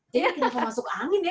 jadi kita masuk angin ya